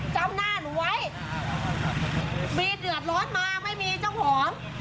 จำหน้าหนูไว้มีเดือดร้อนมาไม่มีเจ้าของ